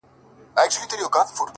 • اوس به څوك د هندوكش سندري بولي,